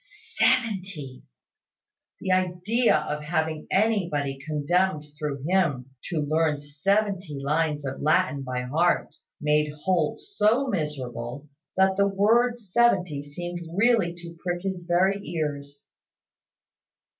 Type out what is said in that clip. Seventy! The idea of having anybody condemned, through him, to learn seventy lines of Latin by heart, made Holt so miserable that the word seventy seemed really to prick his very ears.